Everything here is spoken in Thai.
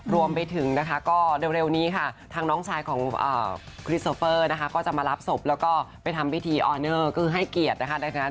รวมไปถึงนะคะก็เร็วนี้ค่ะทางน้องชายของคริสโอเฟอร์นะคะก็จะมารับศพแล้วก็ไปทำพิธีออเนอร์คือให้เกียรตินะคะ